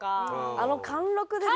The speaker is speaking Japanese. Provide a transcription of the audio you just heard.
あの貫禄でね。